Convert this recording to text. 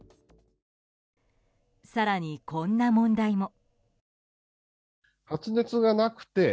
更に、こんな問題も。